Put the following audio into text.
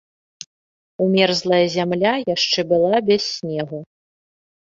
Умерзлая зямля яшчэ была без снегу.